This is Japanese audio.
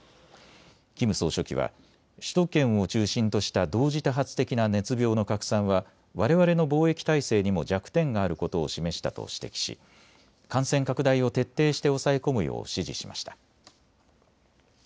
キム総書記は首都圏を中心とした同時多発的な熱病の拡散はわれわれの防疫態勢にも弱点があることを示したと指摘し感染拡大を徹底して抑え込むよう指示しました。